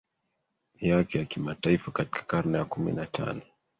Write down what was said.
yake ya kimataifa Katika karne ya kumi na tano